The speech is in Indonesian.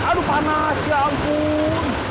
aduh panas ya ampun